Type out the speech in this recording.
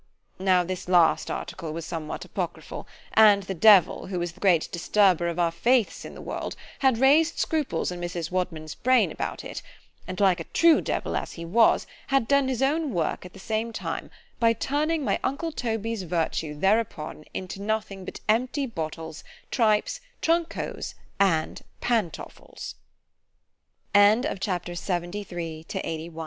Now this last article was somewhat apocryphal; and the Devil, who is the great disturber of our faiths in this world, had raised scruples in Mrs. Wadman's brain about it; and like a true devil as he was, had done his own work at the same time, by turning my uncle Toby's Virtue thereupon into nothing but _empty bottles, tripes, trunk hos